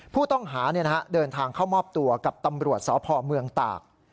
ผู้ต้องหาเดินทางเข้ามอบตัวกับตำรวจสพเมืองตาก